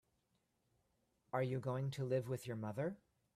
Are you going to live with your mother?